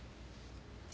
え？